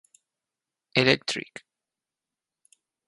Electric.